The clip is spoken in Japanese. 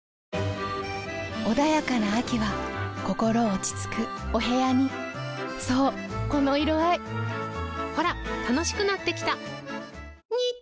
穏やかな秋は心落ち着くお部屋にそうこの色合いほら楽しくなってきた！